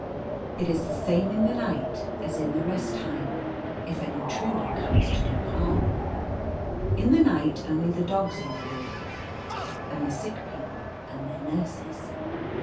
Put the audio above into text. It is the same in the nigljt as in the Rest Time, if an intruder comes to do harm. In the night only the dogs are awake, and the sick people and their nurses.